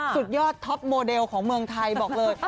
สุดยอดท็อปโมเดลของเมืองไทยบอกเลย